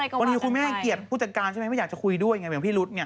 บางทีคุณแม่เกลียดผู้จัดการใช่ไหมไม่อยากจะคุยด้วยอย่างพี่รุ๊ดเนี่ย